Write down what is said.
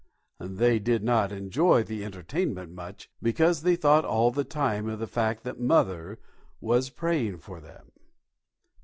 They did not enjoy the entertainment much because they thought all the time of the fact that Mother was praying for them.